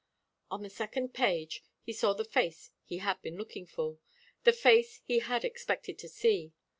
On the second page he saw the face he had been looking for, the face he had expected to see.